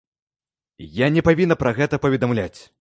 Я не павінна пра гэта паведамляць.